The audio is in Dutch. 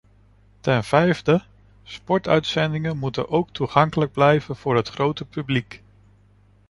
Ten vijfde, sportuitzendingen moeten ook toegankelijk blijven voor het grote publiek.